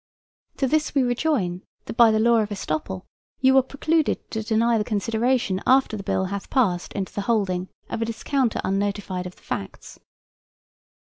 To this we rejoin, that by the law of estoppel you are precluded to deny the consideration after the bill hath passed into the holding of a discounter unnotified of the facts.